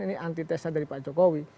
ini antitesa dari pak jokowi